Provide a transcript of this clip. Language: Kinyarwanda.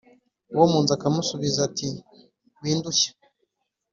uwo mu nzu akamusubiza ati, windushya